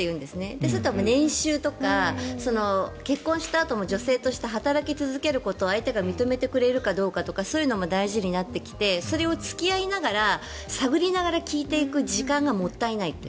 そうすると年収とか結婚したあとも女性として働き続けることを相手が認めてくれるかどうかとかそういうことが大事になってきてそれを付き合いながら探りながら聞いていく時間がもったいないって。